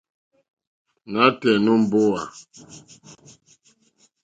Nǎtɛ̀ɛ̀ nǒ mbówà.